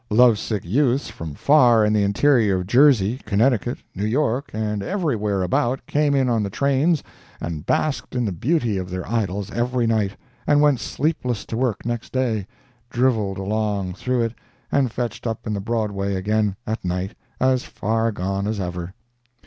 Lovesick youths from far in the interior of Jersey, Connecticut, New York, and everywhere about, came in on the trains and basked in the beauty of their idols every night, and went sleepless to work next day, drivelled along through it, and fetched up in the Broadway again at night, as far gone as ever.